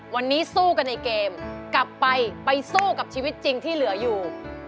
วันนี้สู้กันในเกมกลับไปไปสู้กับชีวิตจริงที่เหลืออยู่